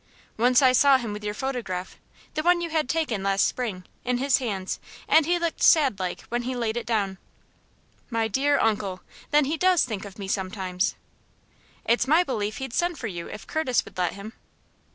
Once I saw him with your photograph the one you had taken last spring in his hands, and he looked sad like when he laid it down." "My dear uncle! Then he does think of me sometimes?" "It's my belief he'd send for you if Curtis would let him."